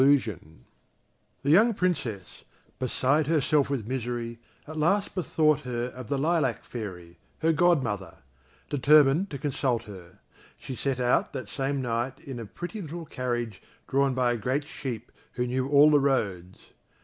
[Illustration: "HE THOUGHT THE PRINCESS WAS HIS QUEEN"] The young Princess, beside herself with misery, at last bethought her of the Lilac fairy, her godmother; determined to consult her, she set out that same night in a pretty little carriage drawn by a great sheep who knew all the roads.